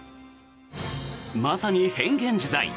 まさに変幻自在。